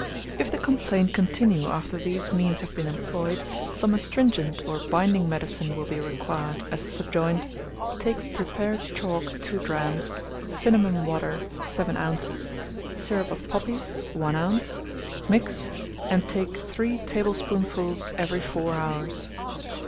If the complaint continue after these means have been employed, some astringent or binding medicine will be required, as the subjoined: Take of prepared chalk 2 drachms, cinnamon water 7 oz., syrup of poppies 1 oz.; mix, and take 3 tablespoonfuls every four hours.